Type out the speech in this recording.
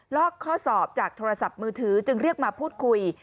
อกข้อสอบจากโทรศัพท์มือถือจึงเรียกมาพูดคุย